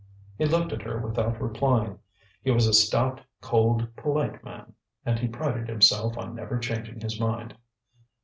He looked at her without replying. He was a stout, cold, polite man, and he prided himself on never changing his mind.